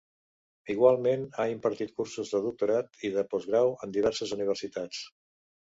Igualment, ha impartit cursos de doctorat i de postgrau en diverses universitats.